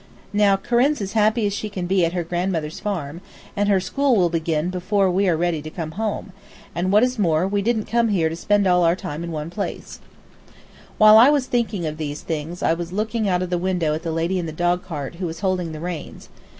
Now, Corinne's as happy as she can be at her grand mother's farm, and her school will begin before we're ready to come home, and, what is more, we didn't come here to spend all our time in one place. [Illustration: "The young lady who keeps the bar"] While I was thinking of these things I was looking out of the window at the lady in the dogcart who was holding the reins.